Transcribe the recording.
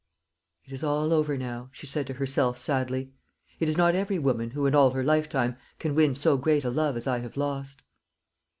"It is all over now," she said to herself sadly. "It is not every woman who in all her lifetime can win so great a love as I have lost."